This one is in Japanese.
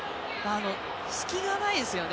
隙がないですよね。